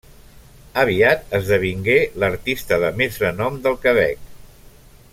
Aviat esdevingué l'artista de més renom del Quebec.